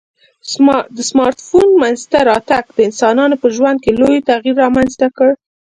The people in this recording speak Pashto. د سمارټ ټلیفون منځته راتګ د انسانانو په ژوند کي لوی تغیر رامنځته کړ